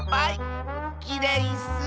きれいッス！